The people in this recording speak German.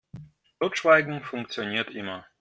Totschweigen funktioniert immer.